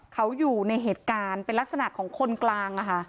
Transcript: เขาอยู่ในเหตุการณ์เป็นลักษณะของคนกลาง